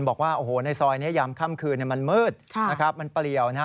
บอกว่าในซอยนี้ยามค่ำคืนมันมืดมันเปรียว